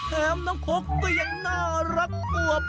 แถมน้องคกก็ยังน่ารักกว่าผัน